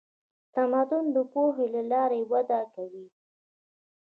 تمدن د پوهې له لارې وده کوي.